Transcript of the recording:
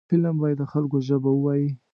فلم باید د خلکو ژبه ووايي